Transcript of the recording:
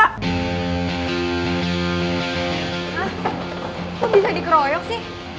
kok bisa dikeroyok sih